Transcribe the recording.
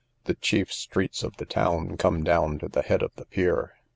The chief streets of the town come down to the head of the pier.